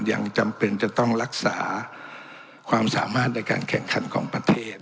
ยังจำเป็นจะต้องรักษาความสามารถในการแข่งขันของประเทศ